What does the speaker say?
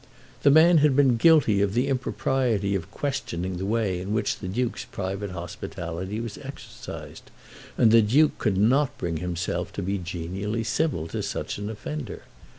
The man had been guilty of the impropriety of questioning the way in which the Duke's private hospitality was exercised, and the Duke could not bring himself to be genially civil to such an offender.